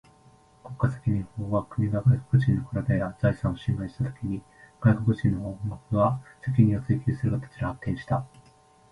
国家責任法は、国が外国人の身体や財産を侵害したときに、外国人の本国が責任を追求する形で発展した。